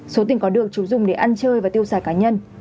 số tiền có được chúng dùng để ăn chơi và tiêu xài cá nhân